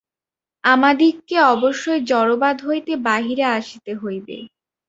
আমাদিগকে অবশ্যই জড়বাদ হইতে বাহিরে আসিতে হইবে।